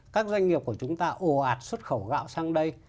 các doanh nghiệp của chúng ta ồ ạt xuất khẩu gạo sang đây